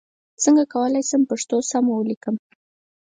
څنګه کولای شم پښتو سم ولیکم ؟